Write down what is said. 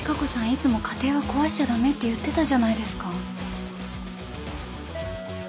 いつも家庭は壊しちゃ駄目って言ってたじゃないですか。